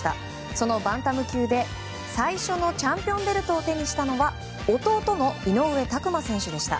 そのバンタム級で最初のチャンピオンベルトを手にしたのは弟の井上拓真選手でした。